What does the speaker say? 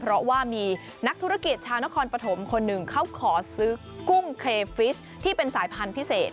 เพราะว่ามีนักธุรกิจชาวนครปฐมคนหนึ่งเขาขอซื้อกุ้งเครฟิสที่เป็นสายพันธุ์พิเศษ